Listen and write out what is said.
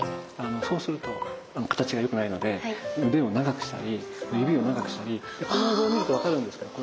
そうすると形がよくないので腕を長くしたり指を長くしたりこのお像を見ると分かるんですけど。